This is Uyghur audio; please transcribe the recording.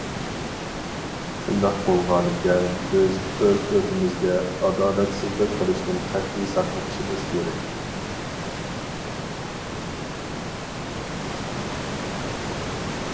شۇنداق بولغانىكەن، بىز ئۆز- ئۆزىمىزگە ئادالەتسىزلىك قىلىشتىن قەتئىي ساقلىنىشىمىز كېرەك.